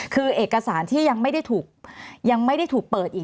คือเอกสารที่ยังไม่ได้ถูกเปิดอีก